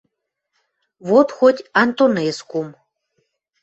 Вот хоть Антонескум...